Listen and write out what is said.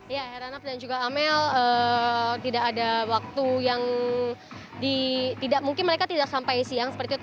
ya heranov dan juga amel tidak ada waktu yang tidak mungkin mereka tidak sampai siang seperti itu